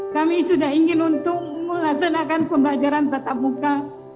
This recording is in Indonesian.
kami sudah ingin untuk melaksanakan pembelajaran tatap muka